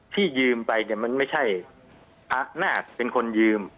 ที่ยืมไปเนี่ยมันไม่ใช่พระนาฏเป็นคนยืม